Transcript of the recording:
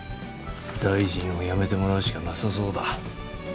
大臣を辞めてもらうしかなさそうだ。